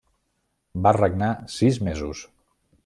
Va regnar sis mesos.